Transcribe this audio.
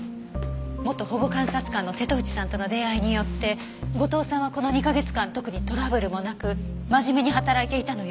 元保護監察官の瀬戸内さんとの出会いによって後藤さんはこの２カ月間特にトラブルもなく真面目に働いていたのよ。